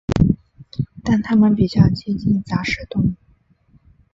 但它们比较接近杂食动物。